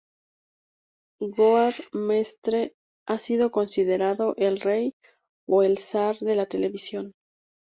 Goar Mestre ha sido considerado "el Rey" o "el Zar de la televisión".